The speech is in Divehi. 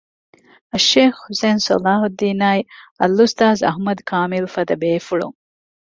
އައްޝައިޚް ޙުސައިން ޞަލާޙުއްދީނާއި އަލްއުސްތާޛް އަޙްމަދު ކާމިލުފަދަ ބޭފުޅުން